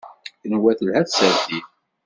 Tenwa telha tsertit.